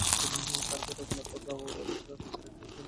তিনি তার ভাই রঘুনাথ রাও-এর অধীনে গুজরাটে একটি সামরিক অভিযান পাঠান।